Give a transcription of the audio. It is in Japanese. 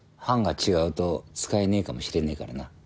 版が違うと使えねえかもしれねえからな。